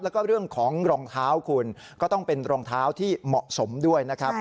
แล้วก็เรื่องของรองเท้าคุณก็ต้องเป็นรองเท้าที่เหมาะสมด้วยนะครับ